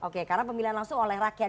oke karena pemilihan langsung oleh rakyat